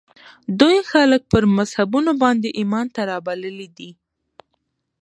دوی خلک پر مذهبونو باندې ایمان ته رابللي دي